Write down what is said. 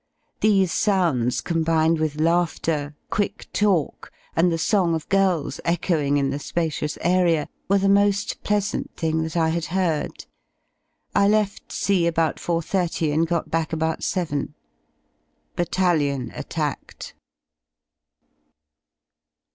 These sounds, combined with laughter, quick talk, and the song of girls echoing in the spacious area, were the mo^ pleasant thing that I had heard. I left C about 4.30 and got back about 7. Battalion attacked.